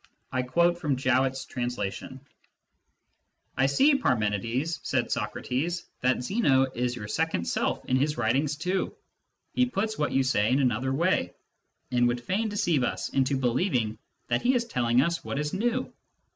I quote from Jowett's translation :" I see, Parmenides, said Socrates, that Zeno is your second self in his writings too ; he puts what you say in another way, and would fain deceive us into believing that he is telling us what is new.